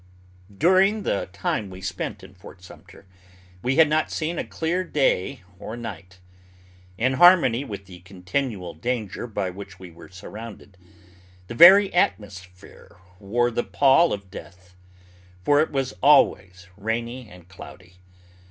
During the time we spent in Fort Sumter we had not seen a clear day or night. In harmony with the continual danger by which we were surrounded, the very atmosphere wore the pall of death; for it was always rainy and cloudy.